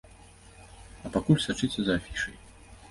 А пакуль сачыце за афішай!